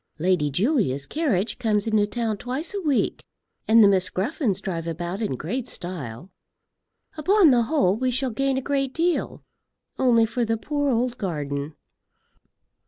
"Lady Julia's carriage comes into town twice a week, and the Miss Gruffens drive about in great style. Upon the whole, we shall gain a great deal; only for the poor old garden.